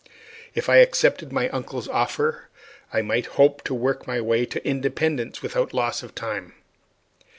If I accepted my uncle's offer, I might hope to work my way to independence without loss of time.